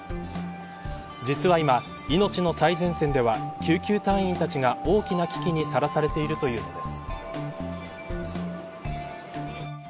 実は今、命の最前線では救急隊員たちが、大きな危機にさらされているというのです。